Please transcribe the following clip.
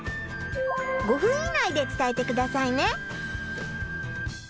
５分以内でつたえてくださいね！